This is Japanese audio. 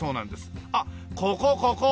あっここここ。